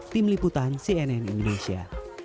tim liputan cnn indonesia